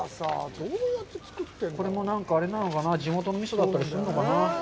これも何かあれなのかなぁ、地元の味噌だったりするのかな。